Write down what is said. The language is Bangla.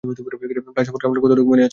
ফ্লাইট সম্পর্কে আপনার কতটুকু মনে আছে?